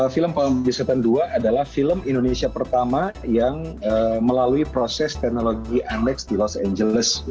film pembesatan dua adalah film indonesia pertama yang melalui proses teknologi annex di los angeles